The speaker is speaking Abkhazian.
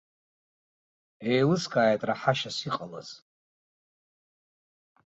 Еилыскааит раҳашьас иҟалаз.